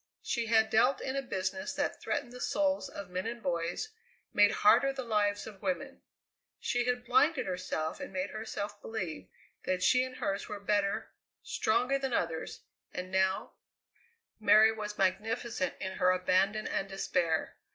She had dealt in a business that threatened the souls of men and boys, made harder the lives of women. She had blinded herself and made herself believe that she and hers were better, stronger than others, and now Mary was magnificent in her abandon and despair.